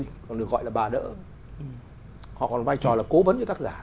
họ còn được gọi là bà đỡ họ còn có vai trò là cố vấn cho tác giả